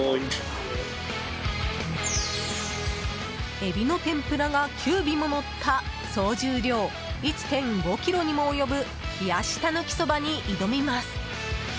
エビの天ぷらが９尾ものった総重量１．５ｋｇにも及ぶ冷やしたぬきそばに挑みます。